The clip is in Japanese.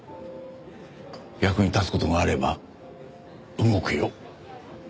役に立つ事があれば動くよ。